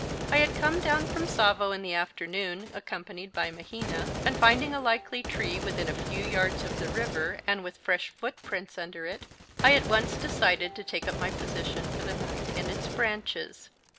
I had come down from Tsavo in the afternoon, accompanied by Mahina, and finding a likely tree, within a few yards of the river and with fresh footprints under it, I at once decided to take up my position for the night in its branches.